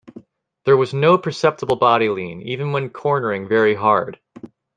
There was no perceptible body lean, even when cornering very hard.